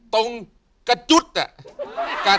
ตรงกระจุดนี้อา